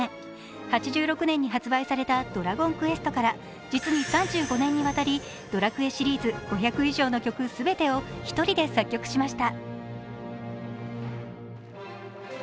８６年に発売された「ドラゴンクエスト」から実に３５年にわたり「ドラクエ」シリーズ５００曲以上を全て１人で作曲しました。